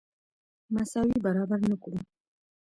مساوي برابر نه کړو.